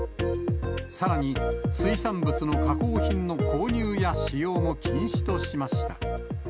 さらに水産物の加工品の購入や使用も禁止としました。